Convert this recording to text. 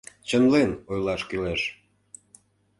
Чынлен ойлаш кӱлеш.